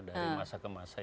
dari masa ke masa